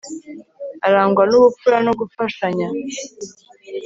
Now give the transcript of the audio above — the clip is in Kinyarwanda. arangwa nubupfura no gufashanya